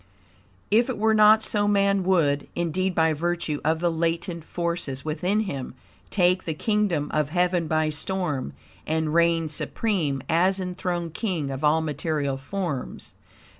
If it were not so man would, indeed, by virtue of the latent forces within him, take the kingdom of Heaven by storm and reign supreme as enthroned king of all material forms.